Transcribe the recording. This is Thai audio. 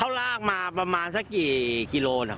เขาลากมาประมาณสักกี่กิโลนะพอรู้ไหม